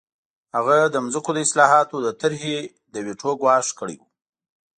هغه د ځمکو د اصلاحاتو د طرحې د ویټو ګواښ کړی و